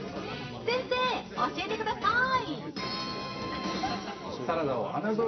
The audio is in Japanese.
先生、教えてください！